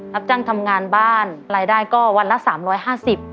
รับจ้างทำงานบ้านรายได้ก็วันละสามร้อยห้าสิบ